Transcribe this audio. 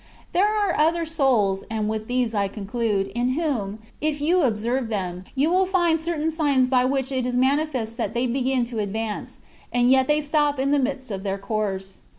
There are otW souls (and with these I con clude), in whom, if you observe them, you will find certain signs by which it is manifest that they begin to advance; and yet they stop in the midst of their course.